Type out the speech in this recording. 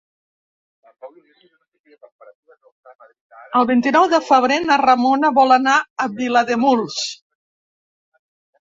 El vint-i-nou de febrer na Ramona vol anar a Vilademuls.